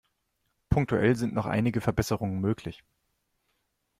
Punktuell sind noch einige Verbesserungen möglich.